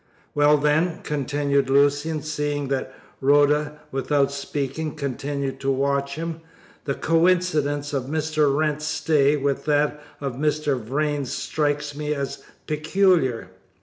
"Well, then," continued Lucian, seeing that Rhoda, without speaking, continued to watch him, "the coincidence of Mr. Wrent's stay with that of Mr. Vrain's strikes me as peculiar."